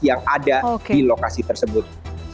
yang ada di lokasi tersebut